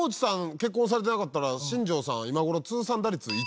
結婚されてなかったら新庄さん今頃。